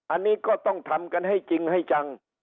อันนี้ก็ต้องทำกันให้จริงให้จัง